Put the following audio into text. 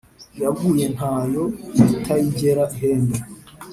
Iyaguye ntayo itayigera ihembe.